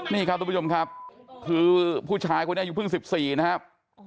นี่ค่ะคุณผู้ชายคนนี้อยู่พฤษีนะครับ